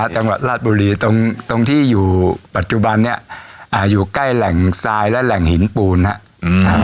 จังหวัดราชบุรีตรงตรงที่อยู่ปัจจุบันนี้อยู่ใกล้แหล่งทรายและแหล่งหินปูนครับ